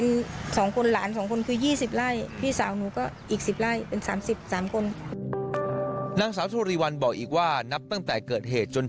นางสาวสุริวัณภรรยาของผู้เสียชีวิตนางสาวสุริวัณภรรยาของผู้เสียชีวิต